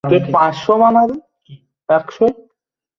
কিন্তু তাতে অনেক বিলম্ব হবে না?